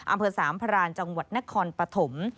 อำเภอสามพรานจังหวัดนครปฐม